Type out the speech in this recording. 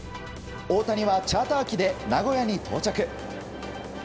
大谷はチャーター機で名古屋に到着。